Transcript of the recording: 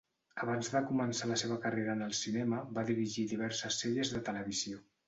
Abans de començar la seva carrera en el cinema va dirigir diverses sèries de televisió.